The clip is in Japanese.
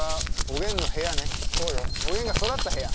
おげんが育った部屋。